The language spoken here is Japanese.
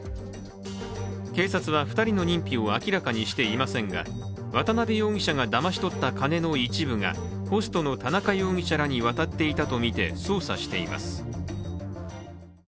警察は２人の認否を明らかにしていませんが渡邊容疑者がだまし取った金の一部がホストの田中容疑者らに渡っていたとみて捜査しています。